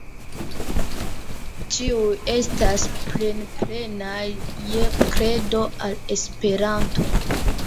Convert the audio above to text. Ĉiuj estas plen-plenaj je kredo al Esperanto.